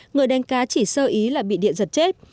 người đánh cá chỉ sơ ý là bị điện giật chết